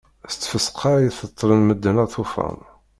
S tfesqa i tettlen medden aṭufan.